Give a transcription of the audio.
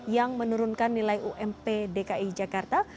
yang menurunkan nilai ump dki jakarta